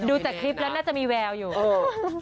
ดูจากคลิปแล้วน่าจะมีแวลค์อยู่